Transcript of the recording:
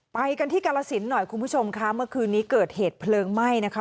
ไปกันที่กาลสินหน่อยคุณผู้ชมค่ะเมื่อคืนนี้เกิดเหตุเพลิงไหม้นะคะ